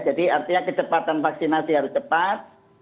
jadi artinya kecepatan vaksinasi harus cepat